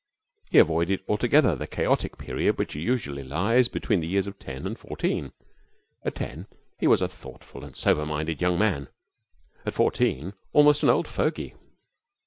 He avoided altogether the chaotic period which usually lies between the years of ten and fourteen. At ten he was a thoughtful and sober minded young man, at fourteen almost an old fogy.